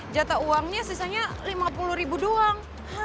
jata uangnya sisanya rp lima puluh doang